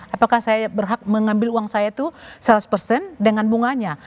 apakah saya berhak mengambil uang saya itu seratus persen dengan bunganya